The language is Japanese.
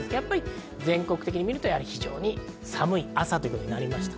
全国的に見ると非常に寒い朝となりました。